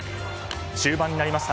終盤になりました